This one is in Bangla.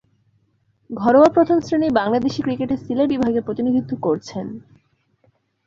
ঘরোয়া প্রথম-শ্রেণীর বাংলাদেশী ক্রিকেটে সিলেট বিভাগের প্রতিনিধিত্ব করছেন।